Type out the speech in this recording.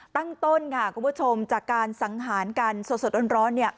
ต้นค่ะคุณผู้ชมจากการสังหารกันสดร้อน